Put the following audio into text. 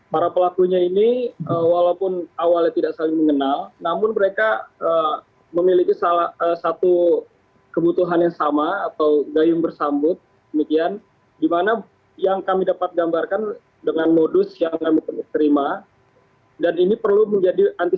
para pelakunya ini walaupun awalnya tidak saling mengenal namun mereka memiliki satu kebutuhan yang sama